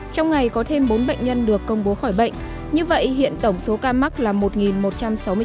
trong ngày có thêm bốn bệnh nhân được công bố khỏi bệnh như vậy hiện tổng số ca mắc là một một trăm sáu mươi chín ca